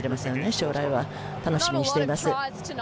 将来を楽しみにしています。